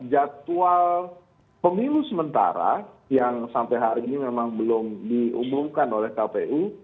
jadwal pemilu sementara yang sampai hari ini memang belum diumumkan oleh kpu